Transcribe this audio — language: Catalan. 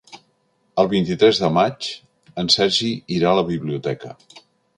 El vint-i-tres de maig en Sergi irà a la biblioteca.